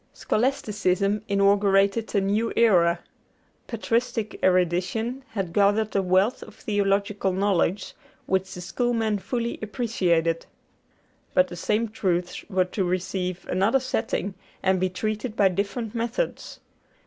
Scholasticism inaugurated a new era. Patristic erudition had gathered a wealth of theological knowledge which the Schoolmen fully appreciated. But the same truths were to receive another setting and be treated by different methods.